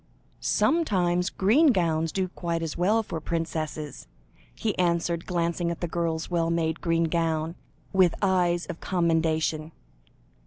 "Sometimes green gowns do quite as well for princesses," he answered, glancing at the girl's well made green gown, with eyes of commendation.